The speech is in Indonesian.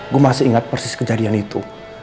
gue masih ingat persis kejadian itu